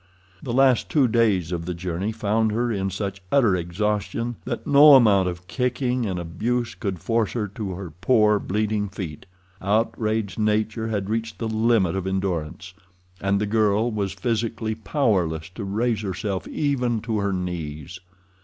The last two days of the journey found her in such utter exhaustion that no amount of kicking and abuse could force her to her poor, bleeding feet. Outraged nature had reached the limit of endurance, and the girl was physically powerless to raise herself even to her knees.